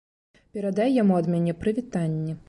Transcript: Перадай яму ад мяне прывітанне.